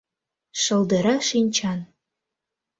Шолдыра шинчан.